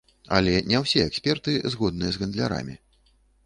Але не ўсе эксперты згодныя з гандлярамі.